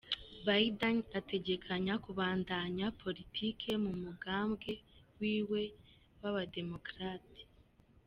Biden ategekanya kubandanya politike mu mugambwe wiwe w'abademokrate.